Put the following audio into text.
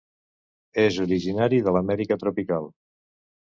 És originari de l'Amèrica tropical.